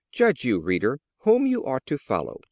Judge you, reader, whom you ought to follow.